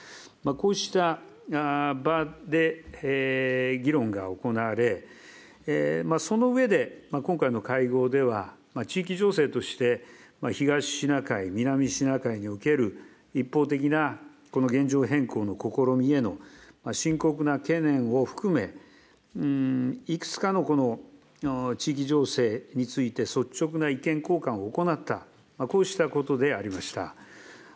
こうした場で議論が行われ、その上で、今回の会合では、地域情勢として、東シナ海、南シナ海における一方的なこの現状変更の試みへの深刻な懸念を含め、いくつかの地域情勢について率直な意見交換を行った、こうしたことでありました。